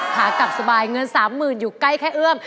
ขากลับสบายเงิน๓๐๐๐อยู่ใกล้แค่เอื้อม